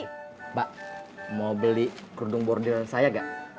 mbak mau beli kerudung border saya gak